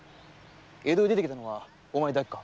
江戸へ出てきたのはお前だけか？